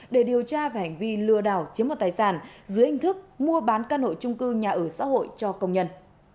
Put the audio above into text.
để điều tra về hành vi lừa đảo chiếm đoạt tài sản dưới hình thức mua bán căn hộ trung cư nhà ở xã hội cho công nhân